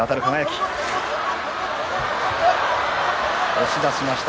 押し出しました。